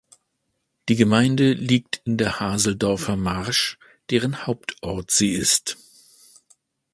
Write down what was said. Die Gemeinde liegt in der Haseldorfer Marsch, deren Hauptort sie ist.